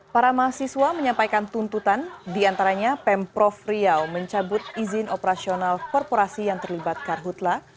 para mahasiswa menyampaikan tuntutan diantaranya pemprov riau mencabut izin operasional korporasi yang terlibat karhutlah